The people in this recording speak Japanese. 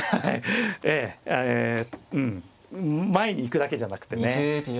ええうん前に行くだけじゃなくてね。